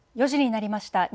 ４時になりました。